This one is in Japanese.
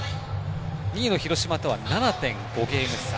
２位の広島とは７．５ゲーム差。